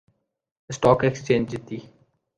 stock ایکسچینجتی